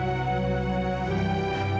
gobi aku mau ke rumah